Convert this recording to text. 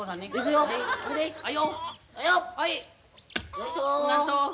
よいしょ。